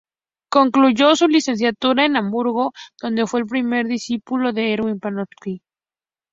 Concluyó su licenciatura en Hamburgo, donde fue el primer discípulo de Erwin Panofsky.